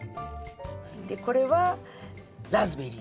これはラズベリー。